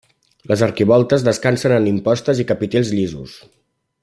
Les arquivoltes descansen en impostes i capitells llisos.